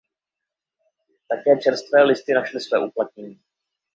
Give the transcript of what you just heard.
Také čerstvé listy našly své uplatnění.